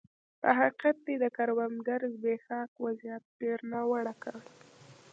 په حقیقت کې د کروندګرو زبېښاک وضعیت ډېر ناوړه کړ.